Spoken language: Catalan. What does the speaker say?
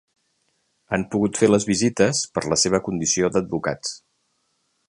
Han pogut fer les visites per la seva condició d’advocats.